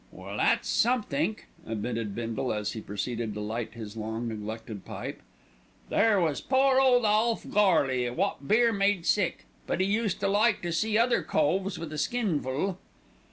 "Well, that's somethink," admitted Bindle as he proceeded to light his long neglected pipe. "There was pore 'ole Alf Gorley wot beer made sick; but 'e used to like to see other coves with a skinful."